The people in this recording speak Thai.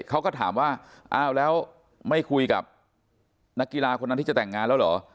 เขาก็ถามว่าอ้าวแล้วไม่คุยกับนักกีฬาคนนั้นที่จะแต่งงานแล้วเหรอ